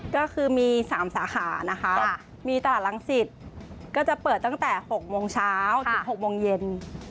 ก็คือมี๓สาขานะคะมีตลาดรังสิตก็จะเปิดตั้งแต่๖โมงเช้าถึง๖โมงเย็น